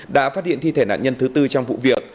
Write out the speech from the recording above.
đã phát hiện thi thể nạn nhân thứ tư trong vụ việc